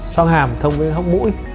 xoang hàm thông với hốc mũi